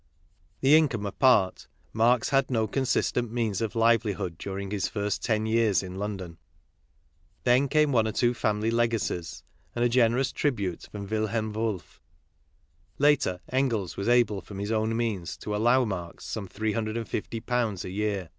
That income apart, Marx had no consistent means of livelihood during his first ten years in London. Then came one or two family legacies, and a generous tribute from Wilhelm WolfT; later, Engels was able from his own means to allow Marx some three hundred and fifty pounds a year.